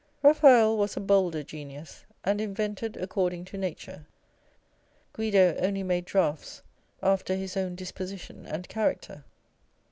Eaphael was a bolder genius, and invented according to nature : Guido only made draughts after his own disposi tion and character.